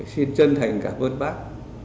xin chân thành cảm ơn bác